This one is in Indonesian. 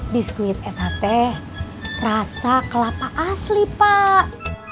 biskuit etate rasa kelapa asli pak